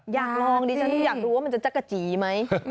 อยากลองดิฉันอยากรู้ว่ามันจะจักรจีไหม